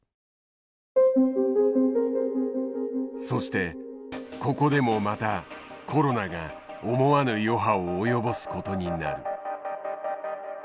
そしてここでもまたコロナが思わぬ余波を及ぼすことになる。